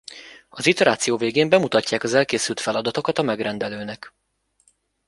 Az iteráció végén bemutatják az elkészült feladatokat a megrendelőnek.